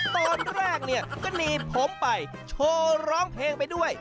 ตอนแรกเนี่ยก็หนีผมไปโชว์ร้องเพลงไปด้วย